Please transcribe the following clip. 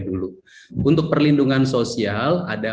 dulu untuk perlindungan sosial ada